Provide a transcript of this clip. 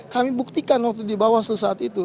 kami buktikan waktu di bawah selu saat itu